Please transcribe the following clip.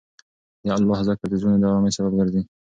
د الله ذکر د زړونو د ارامۍ سبب ګرځي.